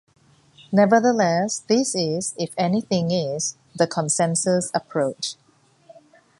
Nevertheless, this is, if anything is, the consensus approach.